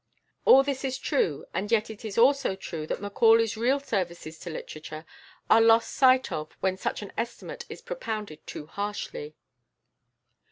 All this is true, and yet it is also true that Macaulay's real services to literature are lost sight of when such an estimate is propounded too harshly.